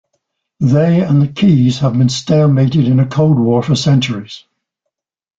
They and the Qys have been stalemated in a Cold War for centuries.